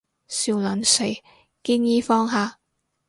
笑撚死，建議放下